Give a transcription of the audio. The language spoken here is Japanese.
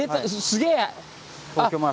すげえ！